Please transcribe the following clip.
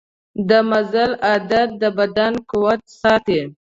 د مزل عادت د بدن قوت ساتي.